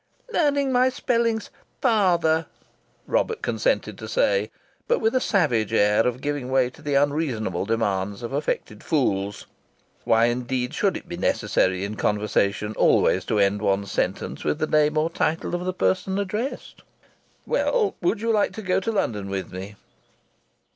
"Learning my spellings, father," Robert consented to say, but with a savage air of giving way to the unreasonable demands of affected fools. Why indeed should it be necessary in conversation always to end one's sentence with the name or title of the person addressed? "Well, would you like to go to London with me?"